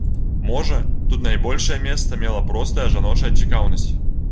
Можа, тут найбольшае месца мела простая жаночая цікаўнасць.